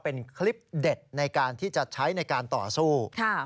เป็นคลิปเด็ดในการที่จะใช้ในการต่อสู้